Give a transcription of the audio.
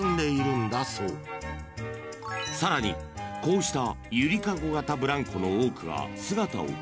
［さらにこうした］